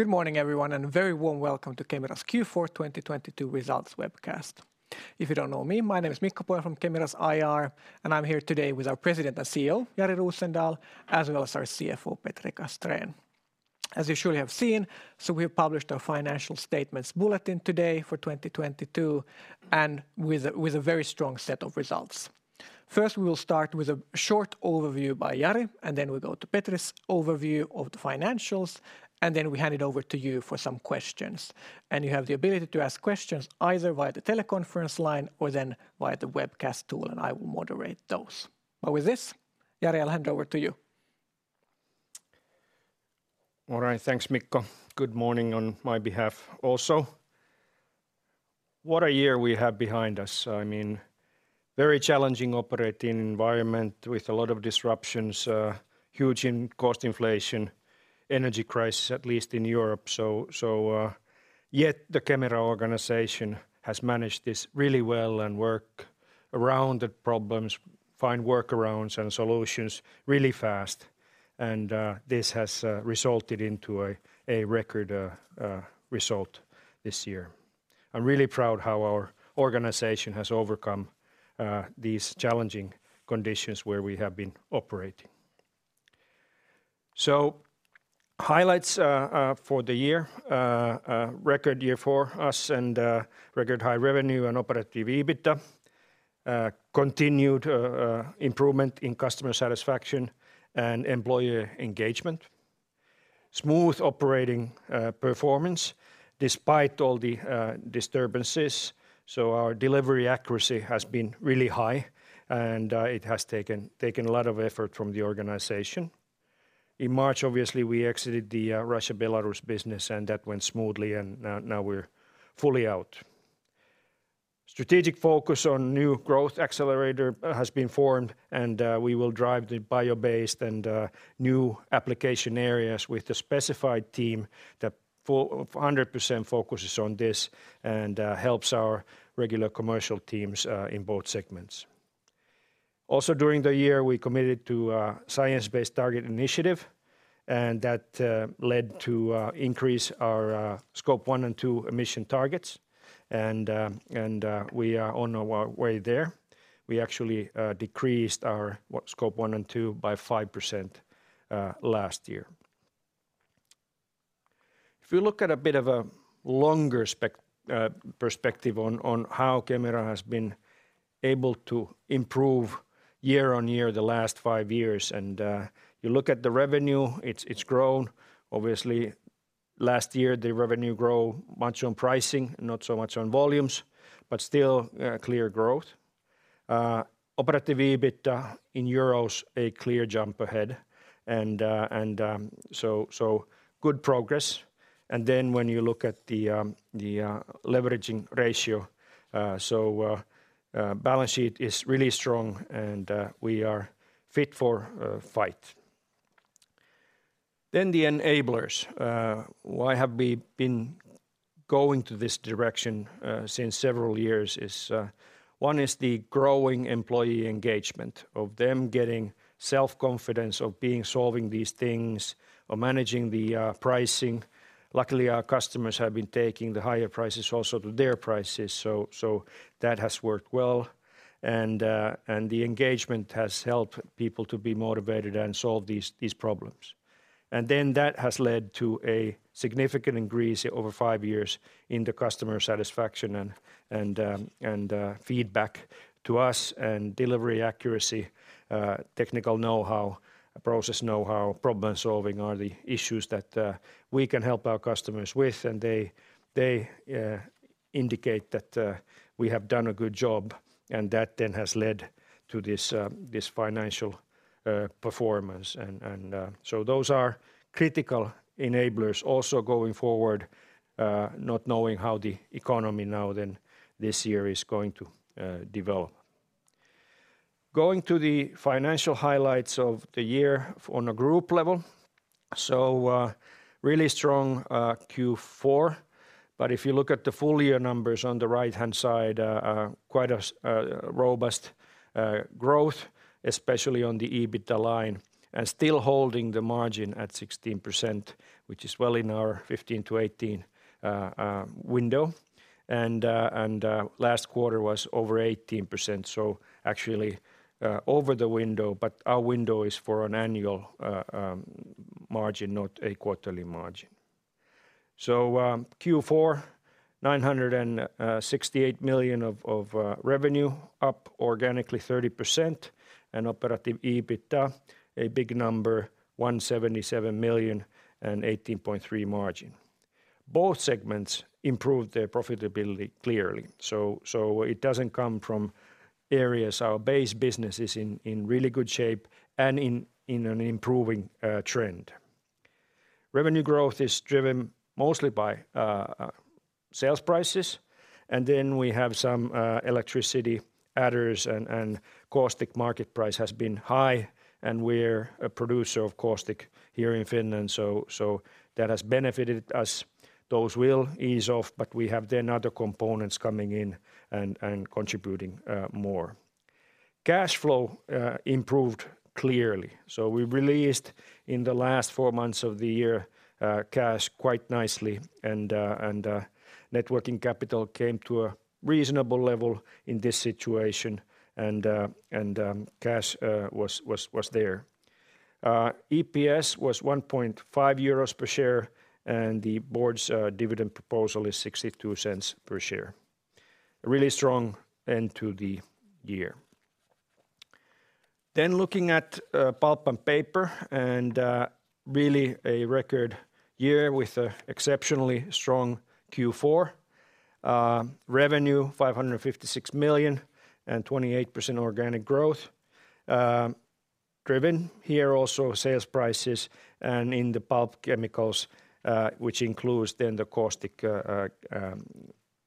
Good morning everyone, a very warm welcome to Kemira's Q4 2022 Results Webcast. If you don't know me, my name is Mikko Pohjala from Kemira's IR. I'm here today with our President and CEO, Jari Rosendal, as well as our CFO, Petri Castrén. As you surely have seen, we have published our financial statements bulletin today for 2022, with a very strong set of results. First, we will start with a short overview by Jari. Then we go to Petri's overview of the financials. Then we hand it over to you for some questions. You have the ability to ask questions either via the teleconference line or then via the webcast tool. I will moderate those. With this, Jari, I'll hand over to you. All right. Thanks, Mikko. Good morning on my behalf also. What a year we have behind us. I mean, very challenging operating environment with a lot of disruptions, huge in- cost inflation, energy crisis, at least in Europe. Yet the Kemira organization has managed this really well and work around the problems, find workarounds and solutions really fast and this has resulted into a record result this year. I'm really proud how our organization has overcome these challenging conditions where we have been operating. Highlights for the year, a record year for us and record high revenue and operative EBITDA. Continued improvement in customer satisfaction and employee engagement. Smooth operating performance despite all the disturbances. Our delivery accuracy has been really high and it has taken a lot of effort from the organization. In March, obviously, we exited the Russia/Belarus business, and that went smoothly and now we're fully out. Strategic focus on new growth accelerator has been formed and we will drive the bio-based and new application areas with the specified team that 100% focuses on this and helps our regular commercial teams in both segments. Also, during the year, we committed to a Science Based Targets initiative, and that led to increase our Scope 1 and 2 emission targets. We are on our way there. We actually decreased our Scope 1 and 2 by 5% last year. If you look at a bit of a longer spec, perspective on how Kemira has been able to improve year-over-year the last five years, and you look at the revenue, it's grown. Obviously, last year, the revenue grow much on pricing, not so much on volumes, but still, clear growth. Operative EBITDA in EUR a clear jump ahead, and so good progress. When you look at the leveraging ratio, so, balance sheet is really strong, and we are fit for a fight. The enablers, why have we been going to this direction since several years is, one is the growing employee engagement, of them getting self-confidence, of being solving these things, of managing the pricing. Luckily, our customers have been taking the higher prices also to their prices, so that has worked well and the engagement has helped people to be motivated and solve these problems. That has led to a significant increase over five years in the customer satisfaction and feedback to us and delivery accuracy, technical know-how, process know-how, problem-solving are the issues that we can help our customers with and they indicate that we have done a good job and that then has led to this financial performance and so those are critical enablers also going forward, not knowing how the economy now then this year is going to develop. Going to the financial highlights of the year on a group level. Really strong Q4. If you look at the full year numbers on the right-hand side, quite a robust growth, especially on the EBITDA line and still holding the margin at 16%, which is well in our 15%-18% window. Last quarter was over 18%, so actually, over the window, but our window is for an annual margin, not a quarterly margin. Q4, 968 million revenue, up organically 30% and operative EBITDA a big number, 177 million and 18.3% margin. Both segments improved their profitability clearly, so it doesn't come from areas our base business is in really good shape and in an improving trend. Revenue growth is driven mostly by sales prices, and then we have some electricity adders and caustic market price has been high and we're a producer of caustic here in Finland, so that has benefited us. Those will ease off, we have then other components coming in and contributing more. Cash flow improved clearly. We released in the last four months of the year cash quite nicely and networking capital came to a reasonable level in this situation and cash was there. EPS was 1.5 euros per share, and the board's dividend proposal is 0.62 per share. A really strong end to the year. Looking at Pulp & Paper, really a record year with a exceptionally strong Q4. Revenue 556 million and 28% organic growth, driven here also sales prices and in the pulp chemicals, which includes the caustic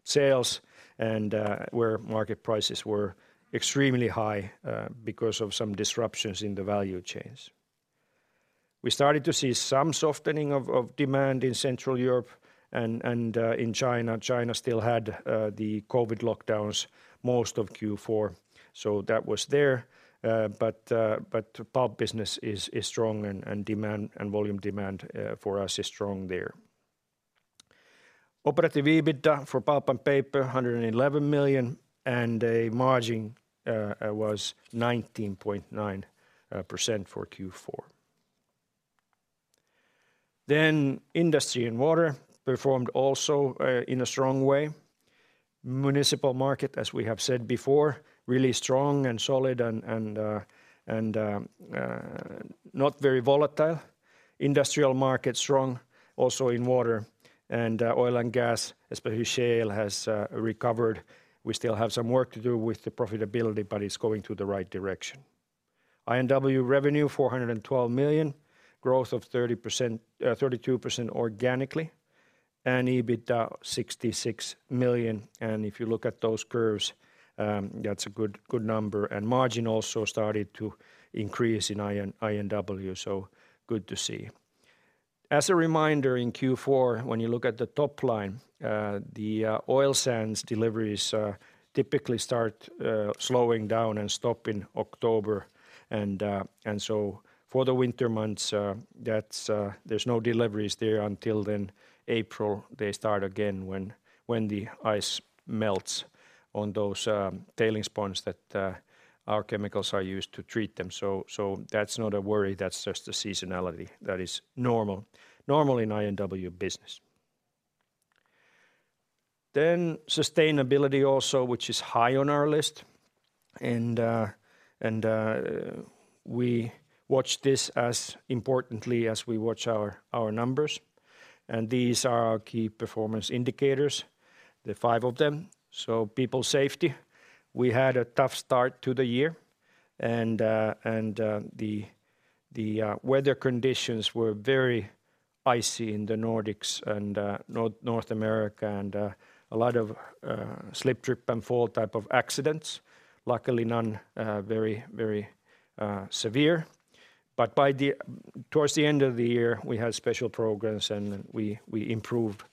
sales and where market prices were extremely high because of some disruptions in the value chains. We started to see some softening of demand in Central Europe and in China. China still had the COVID lockdowns most of Q4, so that was there. But pulp business is strong and demand and volume demand for us is strong there. Operating EBITDA for Pulp & Paper, 111 million, and a margin was 19.9% for Q4. Industry and water performed also in a strong way. Municipal market, as we have said before, really strong and solid and not very volatile. Industrial market strong also in water and oil and gas, especially shale has recovered. We still have some work to do with the profitability, but it's going to the right direction. INW revenue 412 million, growth of 32% organically, and EBITDA 66 million. If you look at those curves, that's a good number. Margin also started to increase in INW, so good to see. As a reminder, in Q4, when you look at the top line, the oil sands deliveries typically start slowing down and stop in October. For the winter months, there's no deliveries there until then April, they start again when the ice melts on those tailings ponds that our chemicals are used to treat them. That's not a worry, that's just a seasonality that is normal in INW business. Sustainability also, which is high on our list. We watch this as importantly as we watch our numbers. These are our key performance indicators, the five of them. People safety, we had a tough start to the year. The weather conditions were very icy in the Nordics and North America and a lot of slip, trip, and fall type of accidents. Luckily none very severe. Towards the end of the year, we had special programs, and we improved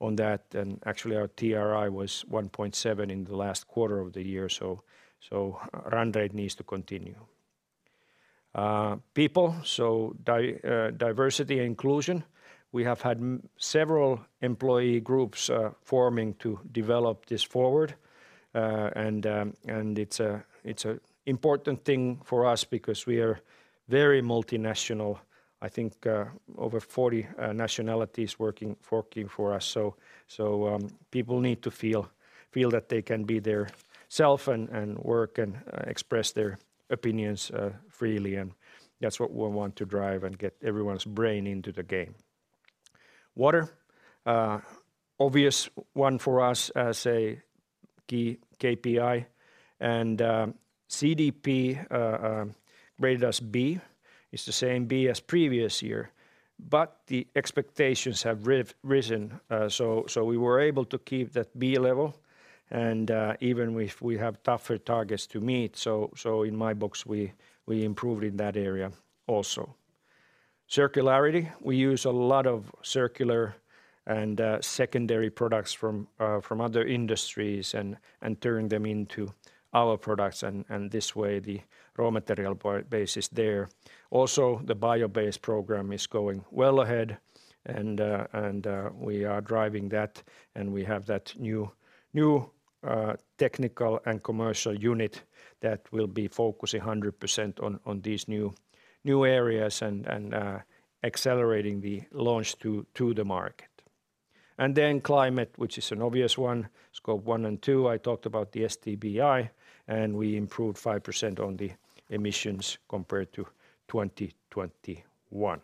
on that. Actually, our TRI was 1.7 in the last quarter of the year. Run rate needs to continue. People, diversity and inclusion, we have had several employee groups forming to develop this forward. And it's a important thing for us because we are very multinational. I think, over 40 nationalities working for us. People need to feel that they can be their self and work and express their opinions freely. That's what we want to drive and get everyone's brain into the game. Water, obvious one for us as a key KPI. CDP rated us B. It's the same B as previous year. The expectations have risen, so we were able to keep that B level and even if we have tougher targets to meet. In my books, we improved in that area also. Circularity, we use a lot of circular and secondary products from other industries and turn them into our products. This way, the raw material base is there. Also, the bio-based program is going well ahead and we are driving that, and we have that new technical and commercial unit that will be focusing 100% on these new areas and accelerating the launch to the market. Climate, which is an obvious one, Scope 1 and 2. I talked about the SBTi, we improved 5% on the emissions compared to 2021.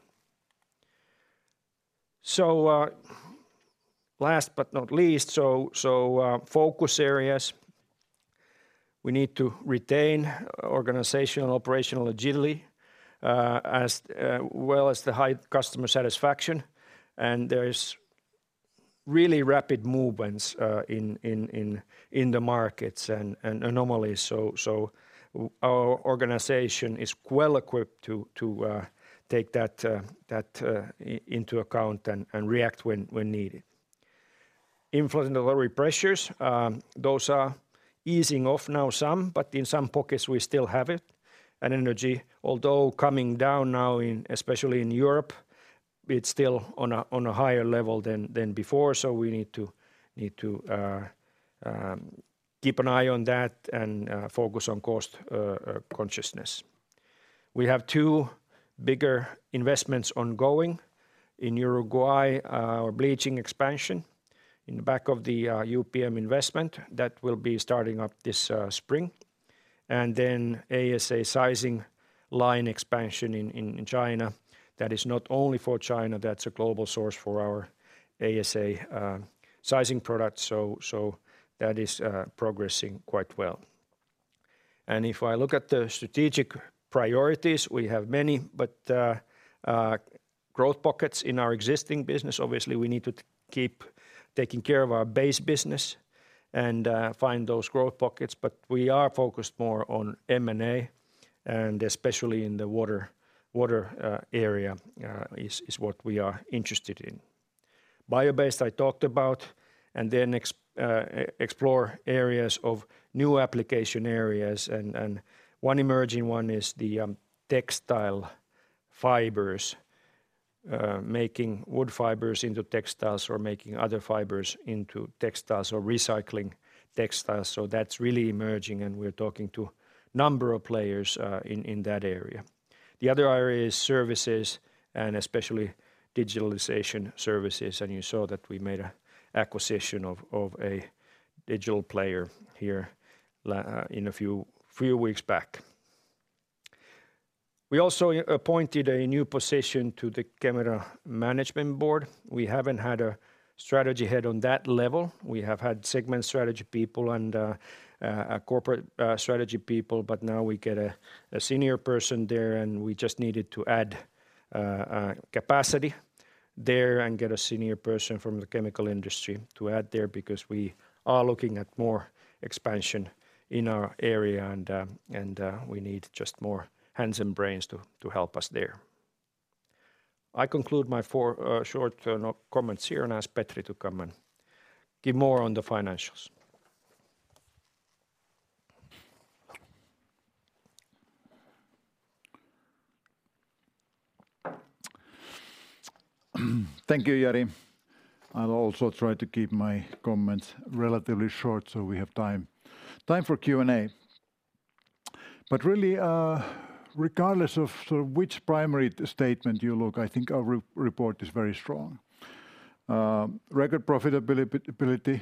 Last but not least, so focus areas, we need to retain organizational operational agility as well as the high customer satisfaction. There is really rapid movements in the markets and anomalies. Our organization is well equipped to take that into account and react when needed. Influx and delivery pressures, those are easing off now some, but in some pockets we still have it. Energy, although coming down now in, especially in Europe, it's still on a higher level than before, so we need to keep an eye on that and focus on cost consciousness. We have two bigger investments ongoing. In Uruguay, our bleaching expansion in the back of the UPM investment, that will be starting up this spring. Then ASA sizing line expansion in China. That is not only for China, that's a global source for our ASA sizing products, so that is progressing quite well. If I look at the strategic priorities, we have many, but growth pockets in our existing business, obviously we need to keep taking care of our base business and find those growth pockets, but we are focused more on M&A and especially in the water area, is what we are interested in. Bio-based I talked about. Then explore areas of new application areas and one emerging one is the textile fibers, making wood fibers into textiles or making other fibers into textiles or recycling textiles. That's really emerging and we're talking to number of players in that area. The other area is services and especially digitalization services. You saw that we made a acquisition of a digital player here in a few weeks back. We also appointed a new position to the Kemira Management Board. We haven't had a strategy head on that level. We have had segment strategy people and a corporate strategy people. Now we get a senior person there, and we just needed to add capacity there and get a senior person from the chemical industry to add there because we are looking at more expansion in our area. We need just more hands and brains to help us there. I conclude my four short no- comments here and ask Petri to come and give more on the financials. Thank you, Jari. I'll also try to keep my comments relatively short so we have time for Q&A. Really, regardless of sort of which primary statement you look, I think our re-report is very strong. Record profitability,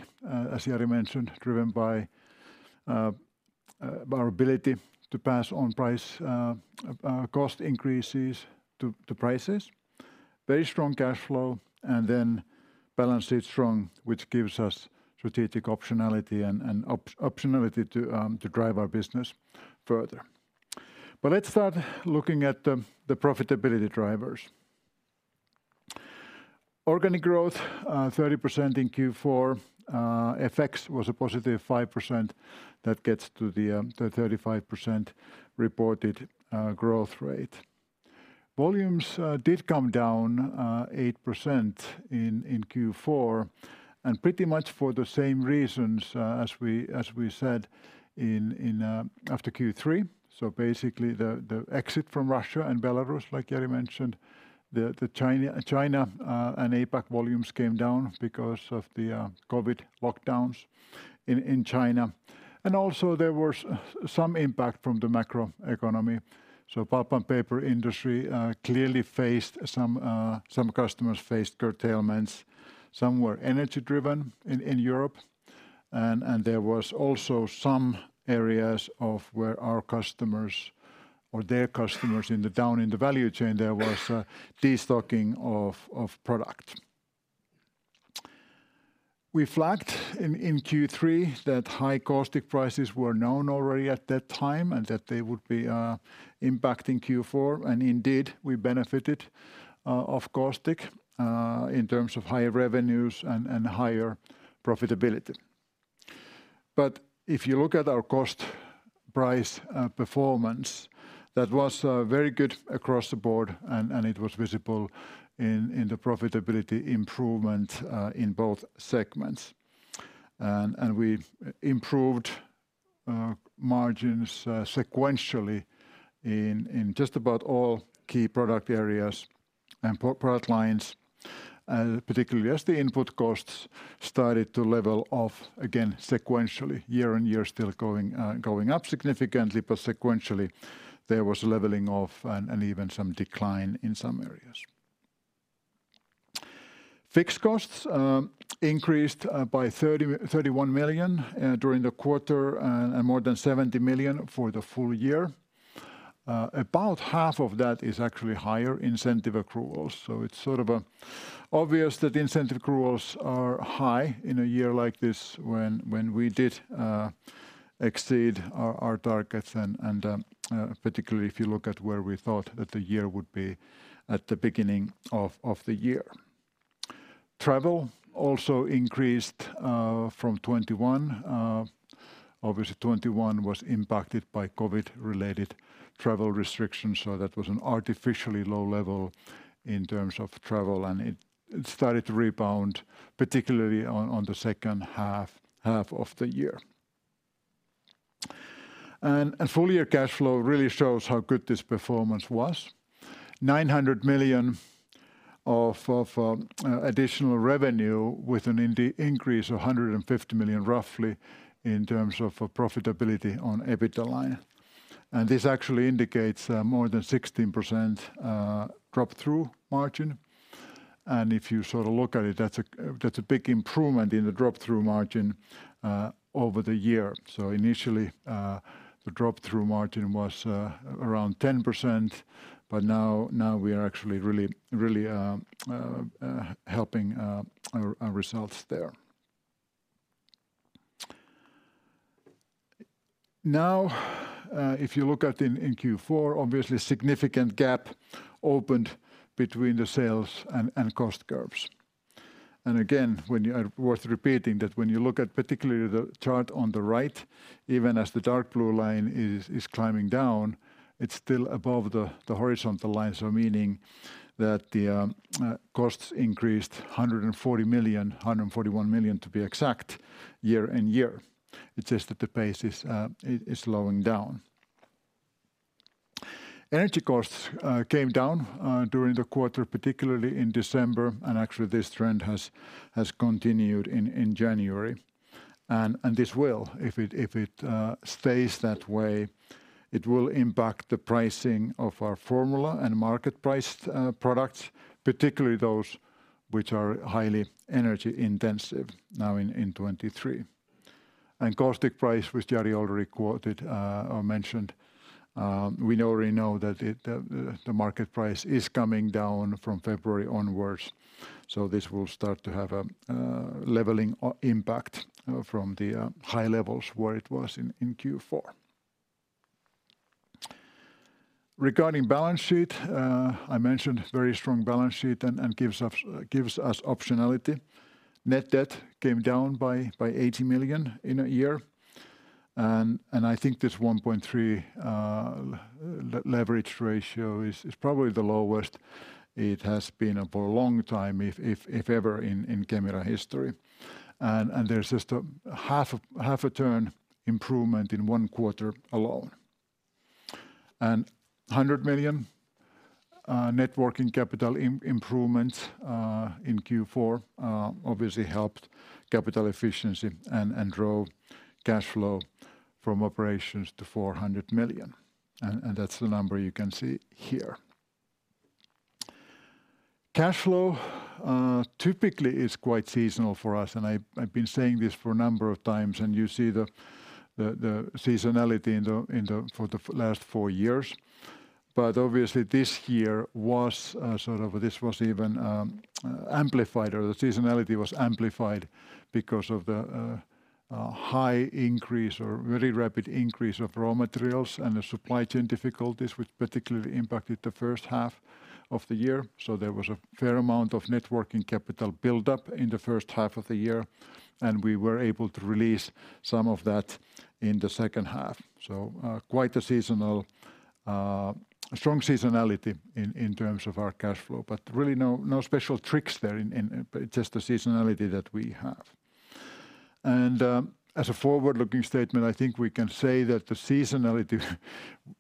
as Jari mentioned, driven by our ability to pass on price cost increases to prices. Very strong cashflow and then balance sheet strong, which gives us strategic optionality and optionality to drive our business further. Let's start looking at the profitability drivers. Organic growth, 30% in Q4, FX was a positive 5% that gets to the 35% reported growth rate. Volumes did come down 8% in Q4, and pretty much for the same reasons as we said in after Q3. Basically the exit from Russia and Belarus, like Jari mentioned, the China and APAC volumes came down because of the COVID lockdowns in China. Also there was some impact from the macroeconomy. Pulp & Paper industry clearly faced some customers faced curtailments. Some were energy driven in Europe and there was also some areas of where our customers or their customers in the value chain, there was a destocking of product. We flagged in Q3 that high caustic prices were known already at that time, and that they would be impacting Q4, and indeed, we benefited of caustic in terms of higher revenues and higher profitability. If you look at our cost price performance, that was very good across the board and it was visible in the profitability improvement in both segments. We improved margins sequentially in just about all key product areas and product lines, particularly as the input costs started to level off again sequentially. Year-on-year still going up significantly, but sequentially there was a leveling off and even some decline in some areas. Fixed costs increased by 31 million during the quarter and more than 70 million for the full year. About half of that is actually higher incentive accruals. It's sort of obvious that incentive accruals are high in a year like this when we did exceed our targets and, particularly if you look at where we thought that the year would be at the beginning of the year. Travel also increased from 2021. Obviously 2021 was impacted by COVID related travel restrictions, so that was an artificially low level in terms of travel, and it started to rebound, particularly on the second half of the year. Full year cashflow really shows how good this performance was. 900 million of additional revenue with an increase of 150 million roughly in terms of profitability on EBITDA line. This actually indicates more than 16% drop-through margin. If you sort of look at it, that's a big improvement in the drop-through margin over the year. Initially, the drop-through margin was around 10%, but now we are actually really, really helping our results there. If you look at in Q4, obviously significant gap opened between the sales and cost curves. Again, worth repeating that when you look at particularly the chart on the right, even as the dark blue line is climbing down, it's still above the horizontal line, meaning that the costs increased 140 million, 141 million to be exact, year-over-year. It's just that the pace is slowing down. Energy costs came down during the quarter, particularly in December. Actually this trend has continued in January. This will if it stays that way, it will impact the pricing of our formula and market priced products, particularly those which are highly energy intensive now in 2023. Caustic price, which Jari already quoted or mentioned, we already know that the market price is coming down from February onwards. This will start to have a leveling impact from the high levels where it was in Q4. Regarding balance sheet, I mentioned very strong balance sheet and gives us optionality. Net debt came down by 80 million in a year. I think this 1.3 leverage ratio is probably the lowest it has been for a long time, if ever in Kemira history. There's just a half a turn improvement in 1 quarter alone. EUR 100 million net working capital improvement in Q4 obviously helped capital efficiency and drove cashflow from operations to 400 million. That's the number you can see here. Cashflow typically is quite seasonal for us, and I've been saying this for a number of times, and you see the seasonality in the last four years. Obviously this year was, sort of this was even amplified, or the seasonality was amplified because of the high increase or very rapid increase of raw materials and the supply chain difficulties, which particularly impacted the first half of the year. There was a fair amount of net working capital buildup in the first half of the year, and we were able to release some of that in the second half. Quite a seasonal strong seasonality in terms of our cashflow. Really no special tricks there in just the seasonality that we have. As a forward-looking statement, I think we can say that the seasonality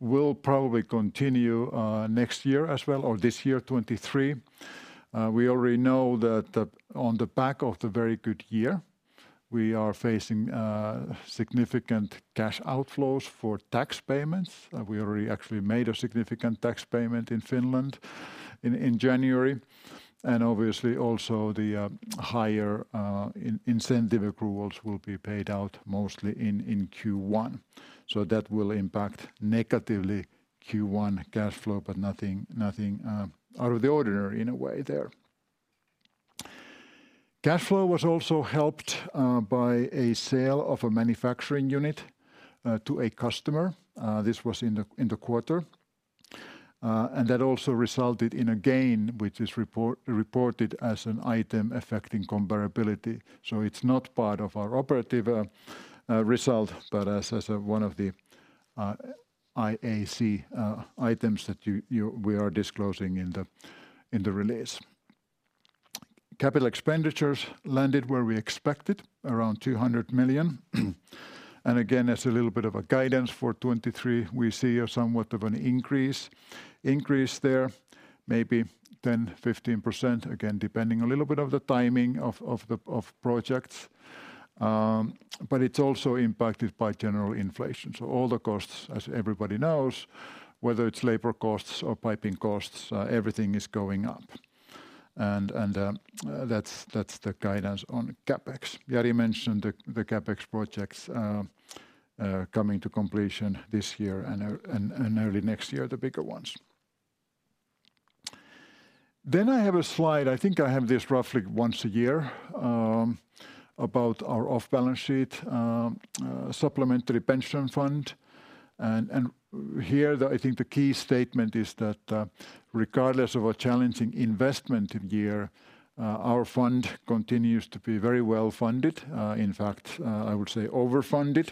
will probably continue next year as well, or this year, 2023. We already know that the, on the back of the very good year, we are facing significant cash outflows for tax payments. We already actually made a significant tax payment in Finland in January. And obviously also the higher incentive approvals will be paid out mostly in Q1. That will impact negatively Q1 cash flow, but nothing out of the ordinary in a way there. Cash flow was also helped by a sale of a manufacturing unit to a customer. This was in the quarter. And that also resulted in a gain, which is reported as an item affecting comparability. It's not part of our operative result, but as a one of the IAC items that we are disclosing in the release. Capital expenditures landed where we expected, around 200 million. Again, as a little bit of a guidance for 2023, we see a somewhat of an increase there, maybe 10%-15%, again, depending a little bit of the timing of the projects. It's also impacted by general inflation. All the costs, as everybody knows, whether it's labor costs or piping costs, everything is going up. That's the guidance on CapEx. Jari mentioned the CapEx projects coming to completion this year and early next year, the bigger ones. I have a slide, I think I have this roughly once a year, about our off balance sheet, supplementary pension fund. Here the, I think the key statement is that, regardless of a challenging investment year, our fund continues to be very well-funded, in fact, I would say overfunded.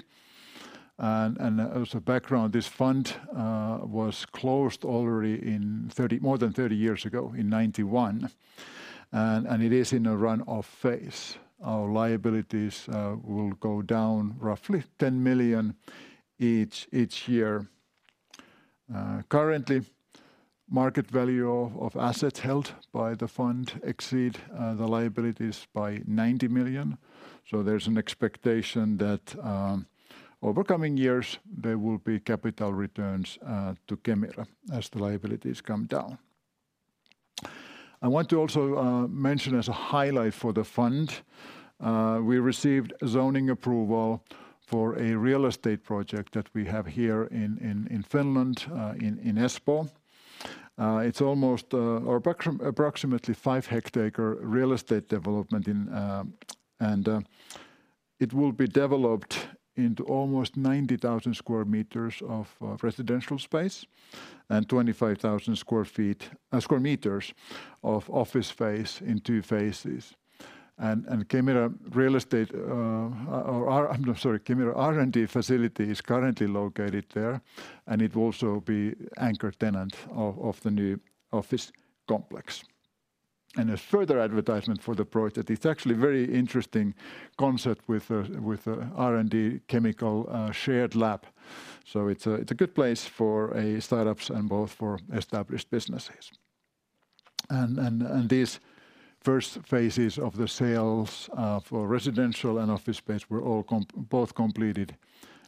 As a background, this fund was closed already more than 30 years ago in 1991. It is in a run-off phase. Our liabilities will go down roughly 10 million each year. Currently, market value of assets held by the fund exceed the liabilities by 90 million. There's an expectation that over coming years, there will be capital returns to Kemira as the liabilities come down. I want to also mention as a highlight for the fund, we received zoning approval for a real estate project that we have here in Finland, in Espoo. It's almost approximately 5 hectare real estate development and it will be developed into almost 90,000 square meters of residential space and 25,000 square meters of office space in two phases. Kemira Real Estate, or Kemira R&D facility is currently located there, and it will also be anchor tenant of the new office complex. A further advertisement for the project, it's actually very interesting concept with a R&D chemical shared lab. It's a good place for startups and both for established businesses. These first phases of the sales for residential and office space were both completed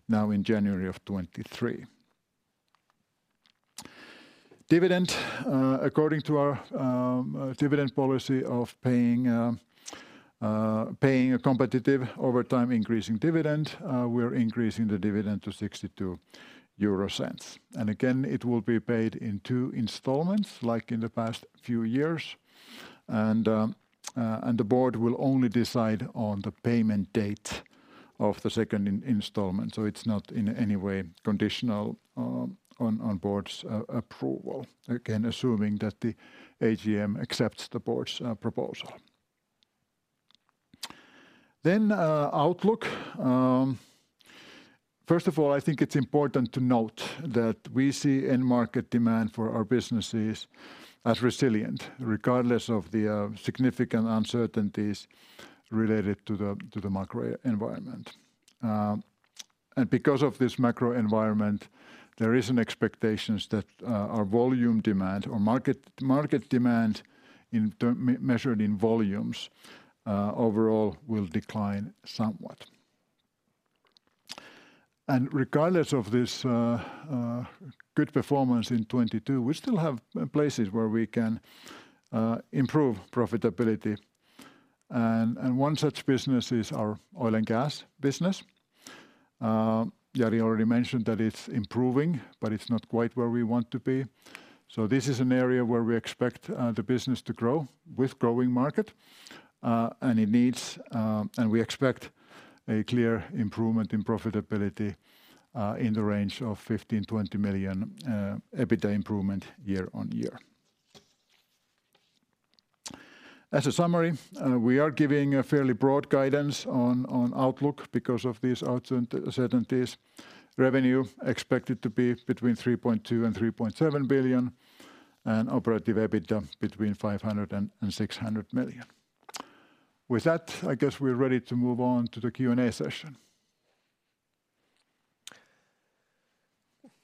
now in January of 2023. Dividend, according to our dividend policy of paying a competitive over time increasing dividend, we're increasing the dividend to 0.62. Again, it will be paid in two installments like in the past few years. The board will only decide on the payment date of the second installment, so it's not in any way conditional on board's approval. Again, assuming that the AGM accepts the board's proposal. Outlook. First of all, I think it's important to note that we see end market demand for our businesses as resilient regardless of the significant uncertainties related to the macro environment. Because of this macro environment, there is an expectations that our volume demand or market demand measured in volumes overall will decline somewhat. Regardless of this good performance in 2022, we still have places where we can improve profitability. One such business is our oil and gas business. Jari already mentioned that it's improving, but it's not quite where we want to be. This is an area where we expect the business to grow with growing market, and it needs. We expect a clear improvement in profitability in the range of 15 million-20 million EBITDA improvement year-on-year. As a summary, we are giving a fairly broad guidance on outlook because of these uncertainties. Revenue expected to be between 3.2 billion and 3.7 billion, and operative EBITDA between 500 million and 600 million. With that, I guess we're ready to move on to the Q&A session.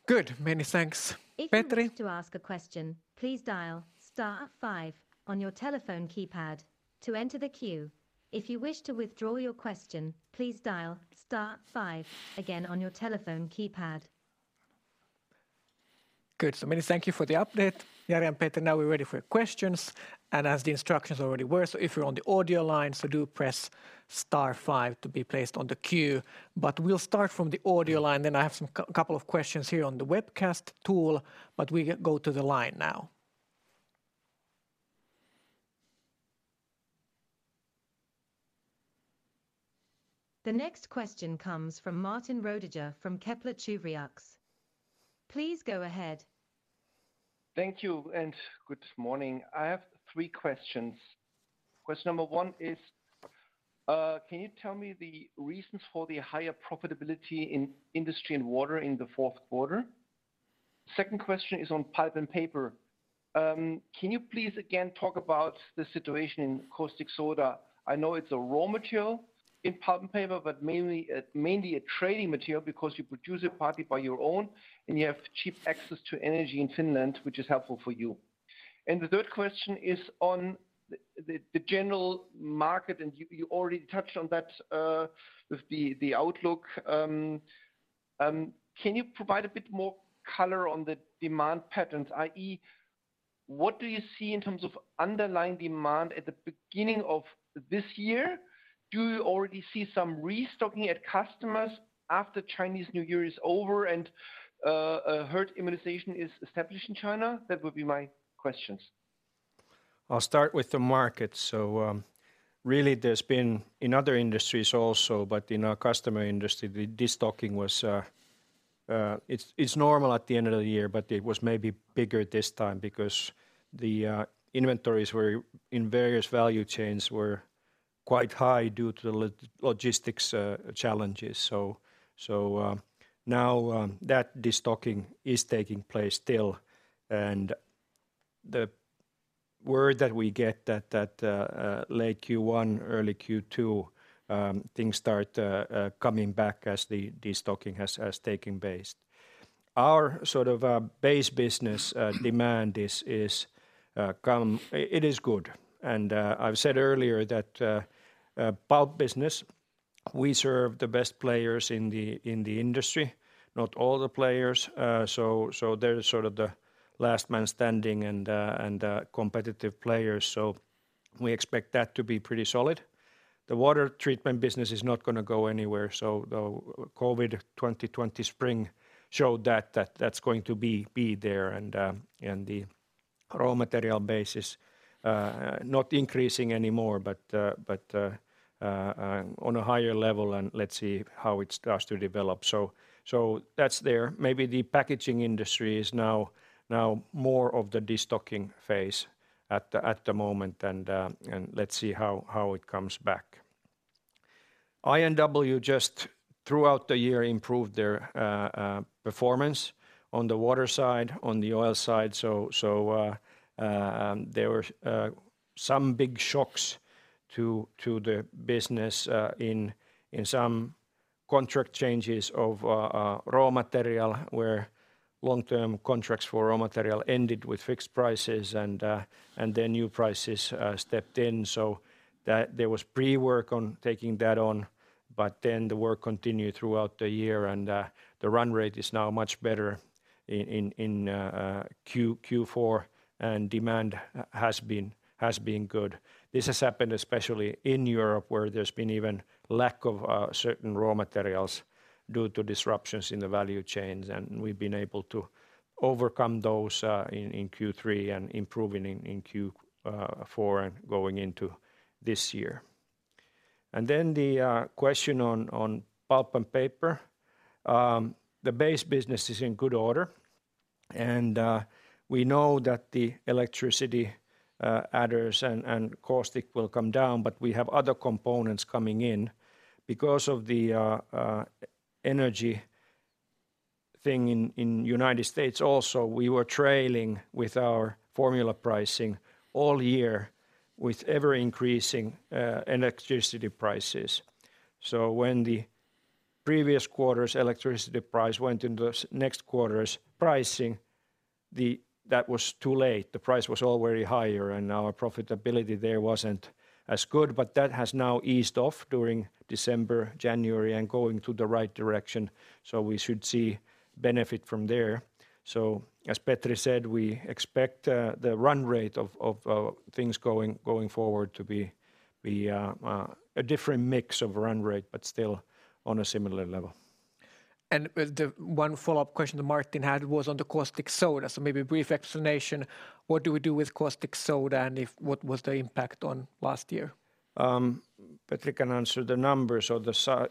Good. Many thanks, Petri. If you wish to ask a question, please dial star five on your telephone keypad to enter the queue. If you wish to withdraw your question, please dial star five again on your telephone keypad. Good. Many thank you for the update, Jari and Petri. Now we're ready for your questions. As the instructions already were, if you're on the audio line, do press star five to be placed on the queue. We'll start from the audio line. I have some couple of questions here on the webcast tool, we go to the line now. The next question comes from Martin Roediger from Kepler Cheuvreux. Please go ahead. Thank you and good morning. I have three questions. Question number one is, can you tell me the reasons for the higher profitability in industry and water in the fourth quarter? Second question is on Pulp & Paper. Can you please again talk about the situation in caustic soda? I know it's a raw material in Pulp & Paper, but mainly a trading material because you produce it partly by your own and you have cheap access to energy in Finland, which is helpful for you. The third question is on the general market, and you already touched on that with the outlook. Can you provide a bit more color on the demand patterns, i.e. what do you see in terms of underlying demand at the beginning of this year? Do you already see some restocking at customers after Chinese New Year is over and herd immunization is established in China? That would be my questions. I'll start with the market. Really there's been, in other industries also, but in our customer industry, the de-stocking was. It's normal at the end of the year but it was maybe bigger this time because the inventories were in various value chains were quite high due to the logistics challenges. Now, that de-stocking is taking place still and the word that we get that late Q1, early Q2, things start coming back as the de-stocking has taken base. Our sort of base business demand is calm. It is good. I've said earlier that pulp business, we serve the best players in the industry, not all the players. They're sort of the last man standing and competitive players. We expect that to be pretty solid. The water treatment business is not gonna go anywhere, so the COVID 2020 spring showed that that's going to be there and the raw material base is not increasing anymore but on a higher level and let's see how it starts to develop. That's there. Maybe the packaging industry is now more of the de-stocking phase at the moment and let's see how it comes back. INW just throughout the year improved their performance on the water side, on the oil side. There were some big shocks to the business in some contract changes of raw material where long-term contracts for raw material ended with fixed prices and their new prices stepped in so that there was pre-work on taking that on, but the work continued throughout the year and the run rate is now much better in Q4 and demand has been good. This has happened especially in Europe where there's been even lack of certain raw materials due to disruptions in the value chains and we've been able to overcome those in Q3 and improving in Q4 and going into this year. The question on Pulp & Paper. The base business is in good order, and we know that the electricity adders and caustic will come down but we have other components coming in. Because of the energy thing in U.S. Also we were trailing with our formula pricing all year with ever-increasing electricity prices. When the previous quarter's electricity price went into the next quarter's pricing that was too late. The price was already higher and our profitability there wasn't as good but that has now eased off during December, January and going to the right direction, so we should see benefit from there. As Petri said, we expect the run rate of things going forward to be a different mix of run rate but still on a similar level. The one follow-up question that Martin had was on the caustic soda. Maybe a brief explanation what do we do with caustic soda and what was the impact on last year? Petri can answer the numbers or the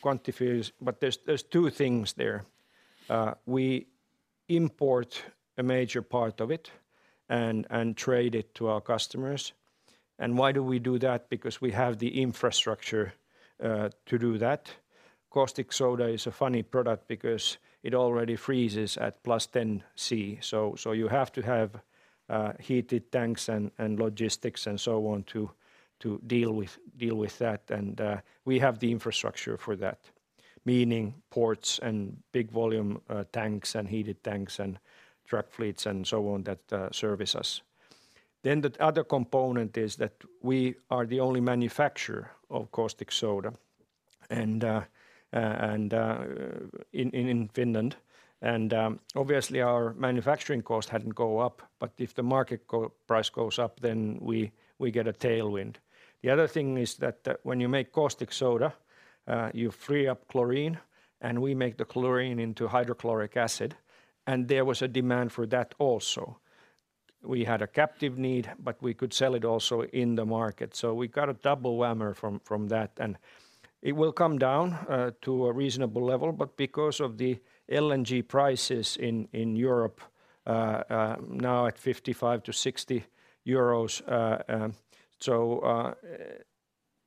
quantities but there's two things there. We import a major part of it and trade it to our customers. Why do we do that? Because we have the infrastructure to do that. Caustic soda is a funny product because it already freezes at +10 degrees Celsius so you have to have heated tanks and logistics and so on to deal with that and we have the infrastructure for that, meaning ports and big volume tanks and heated tanks and truck fleets and so on that service us. The other component is that we are the only manufacturer of caustic soda and in Finland and obviously our manufacturing cost hadn't go up but if the market price goes up then we get a tailwind. The other thing is that when you make caustic soda, you free up chlorine and we make the chlorine into hydrochloric acid and there was a demand for that also. We had a captive need but we could sell it also in the market. So, we got a double whammer from that and it will come down to a reasonable level but because of the LNG prices in Europe now at 55-60 euros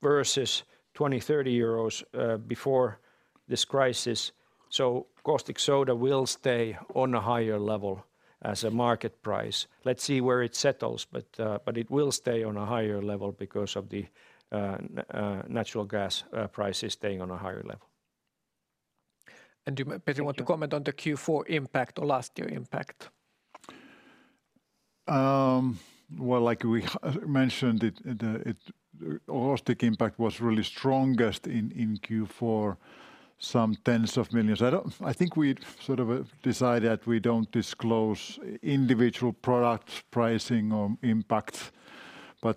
versus 20-30 euros before this crisis, caustic soda will stay on a higher level as a market price. Let's see where it settles but it will stay on a higher level because of the natural gas prices staying on a higher level. Do you, Petri, want to comment on the Q4 impact or last year impact? Well, like we mentioned it, the caustic impact was really strongest in Q4 some EUR tens of millions. I think we'd sort of decide that we don't disclose individual product pricing or impact.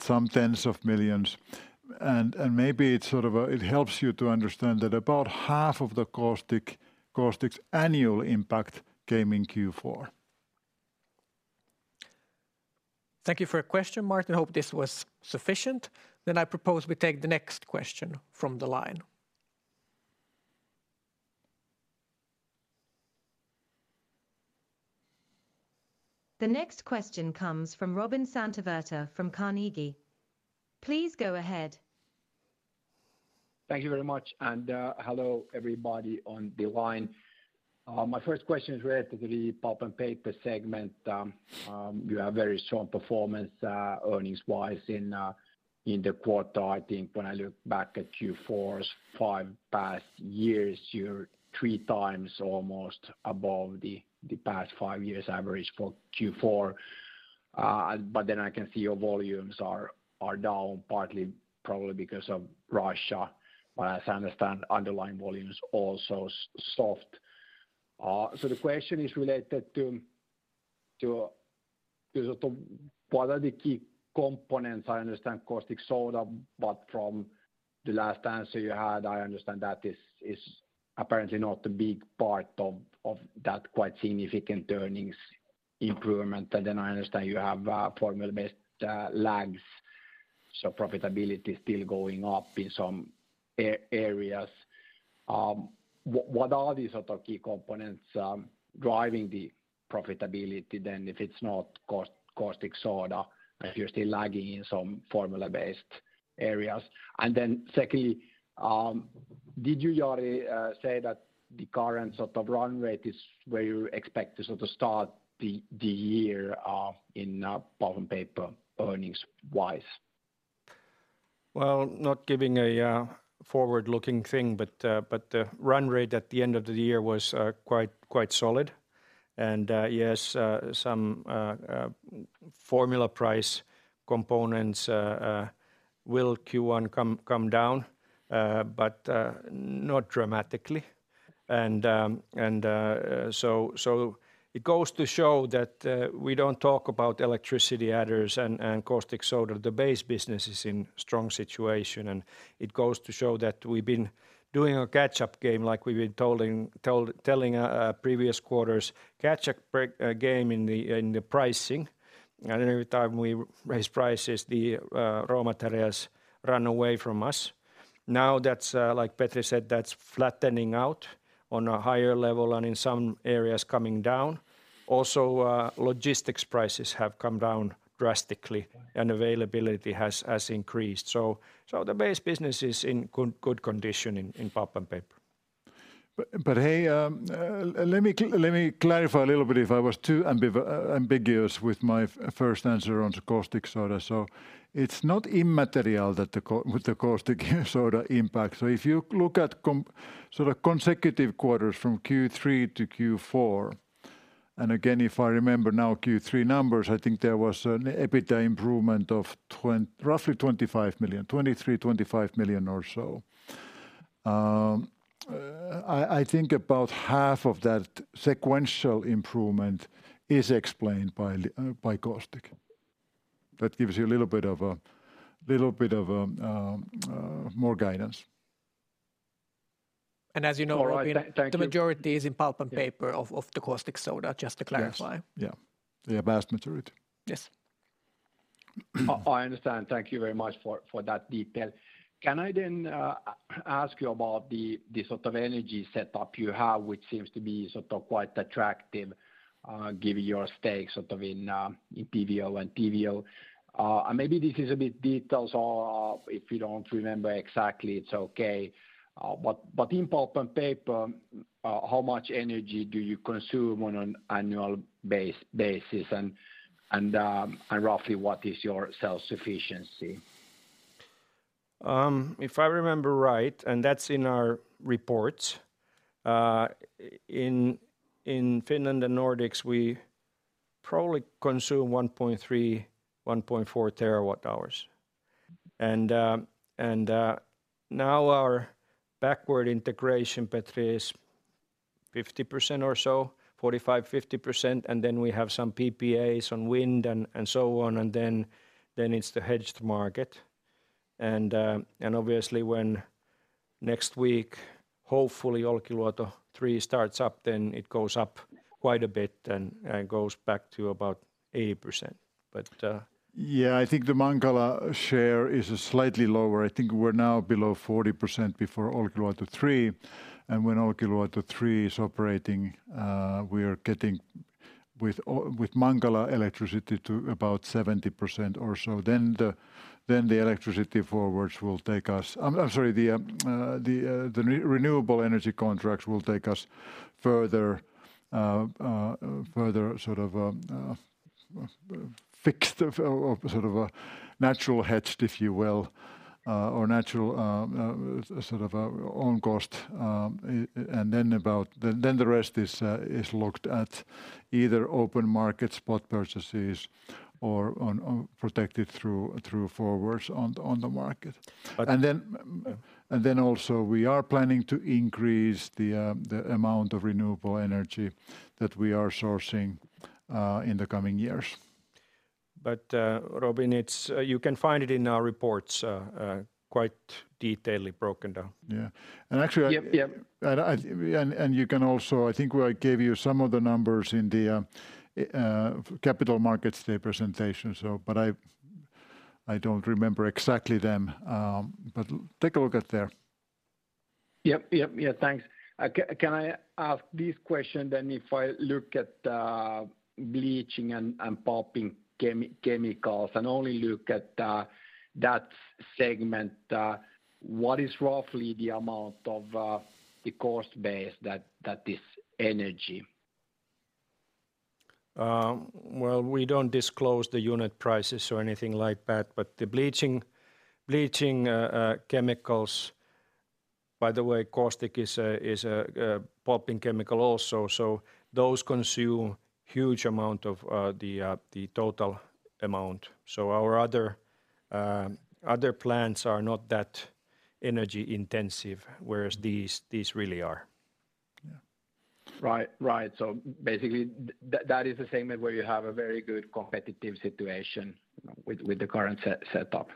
Some EUR tens of millions. Maybe it sort of it helps you to understand that about half of the caustic's annual impact came in Q4. Thank you for your question, Martin. Hope this was sufficient. I propose we take the next question from the line. The next question comes from Robin Santavirta from Carnegie. Please go ahead. Thank you very much, and hello everybody on the line. My first question is related to the Pulp & Paper segment. You have very strong performance, earnings-wise in the quarter. I think when I look back at Q4's five past years, you're three times almost above the past five years' average for Q4. I can see your volumes are down partly probably because of Russia, but as I understand underlying volume is also soft. The question is related to sort of what are the key components, I understand caustic soda, but from the last answer you had, I understand that is apparently not the big part of that quite significant earnings improvement. I understand you have formula-based lags, so profitability is still going up in some areas. What are the sort of key components driving the profitability then if it's not caustic soda, if you're still lagging in some formula-based areas? Secondly, did you, Jari, say that the current sort of run rate is where you expect to sort of start the year in Pulp & Paper earnings-wise? Well, not giving a forward-looking thing, but the run rate at the end of the year was quite solid. Yes, some formula price components will Q1 come down, but not dramatically. So, so it goes to show that we don't talk about electricity adders and caustic soda. The base business is in strong situation, and it goes to show that we've been doing a catch-up game like we've been telling previous quarters, catch-up game in the pricing. Every time we raise prices the raw materials run away from us. Now that's like Petri said, that's flattening out on a higher level and in some areas coming down. Logistics prices have come down drastically and availability has increased. The base business is in good condition in Pulp & Paper. Let me clarify a little bit if I was too ambiguous with my first answer on the caustic soda. It's not immaterial that with the caustic soda impact. If you look at sort of consecutive quarters from Q3 to Q4, and again, if I remember now Q3 numbers, I think there was an EBITDA improvement of roughly 25 million, 23 million-25 million or so. I think about half of that sequential improvement is explained by caustic. That gives you a little bit of a, little bit of more guidance. As you know, Robin. All right. Thank you.... the majority is in Pulp & Paper of the caustic soda, just to clarify. Yes. Yeah. The vast majority. Yes. I understand. Thank you very much for that detail. Can I then ask you about the sort of energy setup you have, which seems to be sort of quite attractive, given your stake in TVO? Maybe this is a bit detailed, so if you don't remember exactly, it's okay. But in Pulp & Paper, how much energy do you consume on an annual basis, and roughly what is your self-sufficiency? If I remember right, and that's in our reports, in Finland and Nordics, we probably consume 1.3 TWh, 1.4 TWh. Now our backward integration, Petri, is 50% or so, 45%, 50%, and then we have some PPAs on wind and so on. It's the hedged market. Obviously when next week, hopefully Olkiluoto 3 starts up, then it goes up quite a bit and goes back to about 80%. Yeah, I think the Mankala share is slightly lower. I think we're now below 40% before Olkiluoto 3. When Olkiluoto 3 is operating, we are getting with Mankala electricity to about 70% or so. The electricity forwards will take us. I'm sorry, the renewable energy contracts will take us further sort of, fixed of sort of a natural hedged, if you will, or natural, sort of, own cost. Then the rest is looked at either open market spot purchases or on, protected through forwards on the market. Okay. Also we are planning to increase the amount of renewable energy that we are sourcing in the coming years. Robin, you can find it in our reports, quite detailed broken down. Yeah. Yep.... and you can also. I think I gave you some of the numbers in the capital markets day presentation. I don't remember exactly them, but take a look at there. Yep, yep, yeah, thanks. Can I ask this question then? If I look at bleaching and pulping chemicals and only look at that segment, what is roughly the amount of the cost base that is energy? Well, we don't disclose the unit prices or anything like that, but the bleaching chemicals, by the way, caustic is a pulping chemical also. Those consume huge amount of the total amount. Our other plants are not that energy-intensive, whereas these really are. Yeah. Right. Right. Basically that is the segment where you have a very good competitive situation with the current set-setup.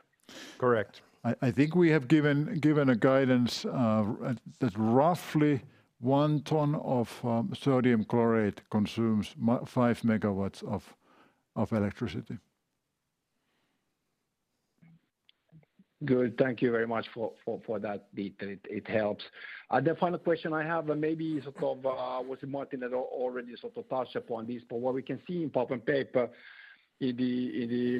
Correct. I think we have given a guidance that roughly one ton of sodium chlorate consumes 5 MW of electricity. Good. Thank you very much for that detail. It helps. The final question I have, and maybe sort of, was Martin had already sort of touched upon this, but what we can see in Pulp & Paper in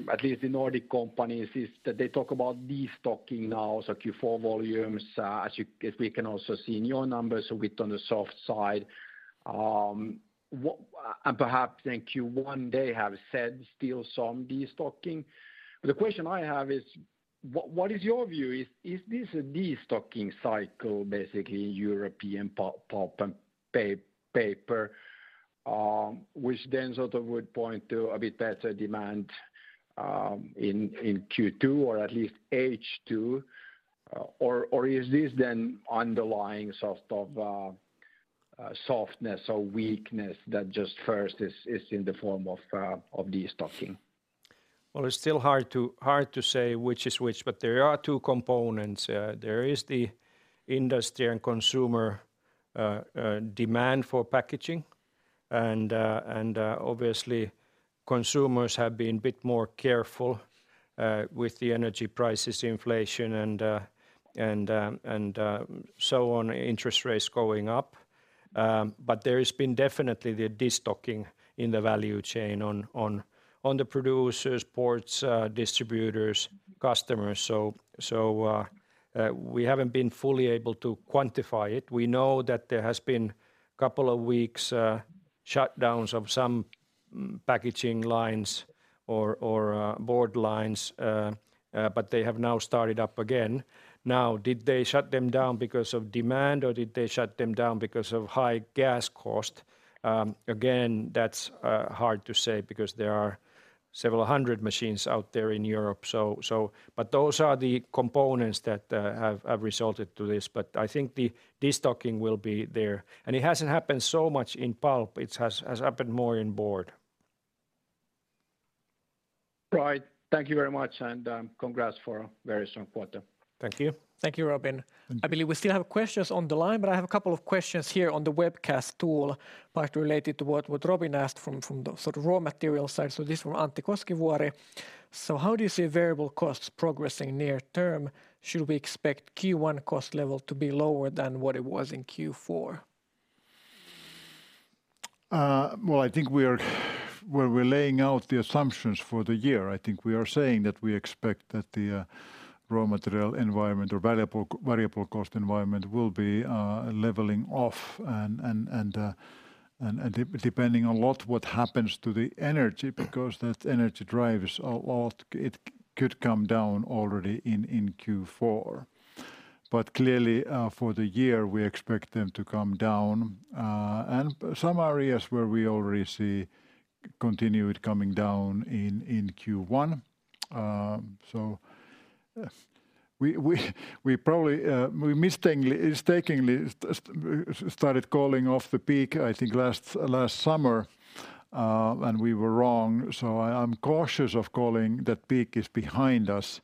the at least in Nordic companies, is that they talk about destocking now, so Q4 volumes, as we can also see in your numbers, a bit on the soft side. What... Perhaps in Q1, they have said still some destocking. The question I have is what is your view? Is this a destocking cycle basically European Pulp & Paper, which then sort of would point to a bit better demand, in Q2 or at least H2? Is this then underlying sort of softness or weakness that just first is in the form of destocking? Well, it's still hard to say which is which, but there are two components. There is the industry and consumer demand for packaging and obviously consumers have been a bit more careful with the energy prices inflation and so on, interest rates going up. There has been definitely the destocking in the value chain on the producers, boards, distributors, customers. We haven't been fully able to quantify it. We know that there has been couple of weeks shutdowns of some packaging lines or board lines, but they have now started up again. Did they shut them down because of demand, or did they shut them down because of high gas cost? Again, that's hard to say because there are several hundred machines out there in Europe. Those are the components that resulted to this. I think the destocking will be there, and it hasn't happened so much in pulp. It has happened more in board. Right. Thank you very much, and congrats for a very strong quarter. Thank you. Thank you, Robin. Thank you. I believe we still have questions on the line, but I have a couple of questions here on the webcast tool, part related to what Robin asked from the sort of raw material side. This from Antti Koskivuori: "How do you see variable costs progressing near term? Should we expect Q1 cost level to be lower than what it was in Q4? Well, where we're laying out the assumptions for the year, I think we are saying that we expect that the raw material environment or variable cost environment will be leveling off and depending a lot what happens to the energy because that energy drives a lot. It could come down already in Q4. Clearly, for the year, we expect them to come down, and some areas where we already see continued coming down in Q1. We probably mistakenly started calling off the peak I think last summer, and we were wrong. I'm cautious of calling that peak is behind us,